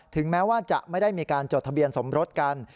แม้ว่าจะไม่ได้มีการจดทะเบียนสมรสกัน